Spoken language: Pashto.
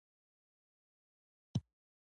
د پښتو ژبې پرمختګ د ټولنې پرمختګ دی.